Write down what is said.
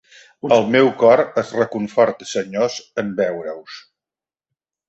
El meu cor es reconforta, senyors, en veure-us.